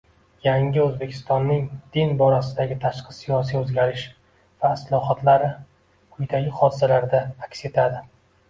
Yangi Oʻzbekistonning din borasidagi tashqi siyosiy oʻzgarish va islohotlari quyidagi hodisalarda aks etadi.